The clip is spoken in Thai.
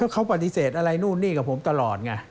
เขาปฏิเสธอะไรนู่นนี่กับผมตลอดไง